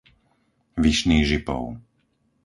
Vyšný Žipov